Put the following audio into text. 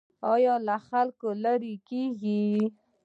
ایا له خلکو لرې کیږئ؟